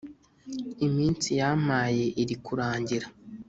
iminsi yampaye iri kurangira”